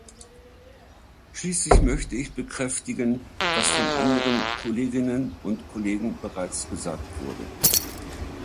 Schließlich möchte ich bekräftigen, was von anderen Kolleginnen und Kollegen bereits gesagt wurde.